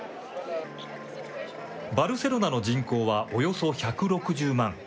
バルセロナの人口はおよそ１６０万。